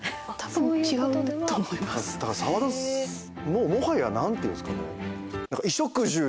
もうもはや何ていうんですかね。